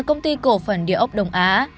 công ty cổ phần điều úc đông á